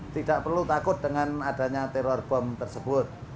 tidak perlu takut dengan adanya teror bom tersebut